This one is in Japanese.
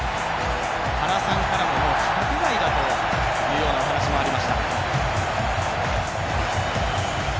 原さんからも、規格外だというお話もありました。